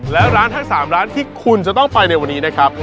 และร้านทั้ง๓ร้านที่คุณจะต้องไปในวันนี้นะครับ